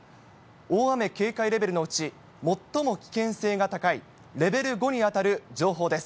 大雨警戒レベルのうち最も危険性が高いレベル５に当たる情報です。